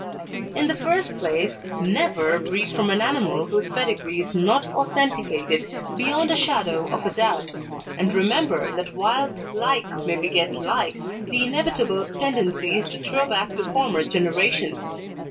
In the first place, never breed from an animal whose pedigree is not authenticated beyond a shadow of a doubt; and remember that while like may beget like, the inevitable tendency is to throw back to former generations.